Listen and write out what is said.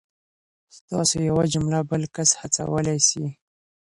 ستاسو یوه جمله بل کس هڅولی سي.